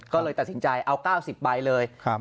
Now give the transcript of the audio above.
ก็เลยตัดสินใจเอาเก้าสิบใบเลยครับ